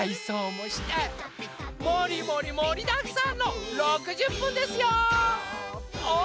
もりもり盛りだくさんの６０分ですよー！